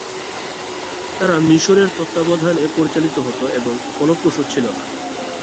তারা মিশরের তত্ত্বাবধানে পরিচালিত হত এবং ফলপ্রসূ ছিল না।